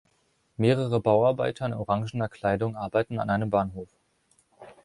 Mehrere Bauarbeiter in oranger Kleidung arbeiten an einem Bahnhof.